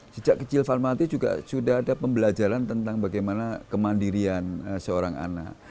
sejak kecil farmati juga sudah ada pembelajaran tentang bagaimana kemandirian seorang anak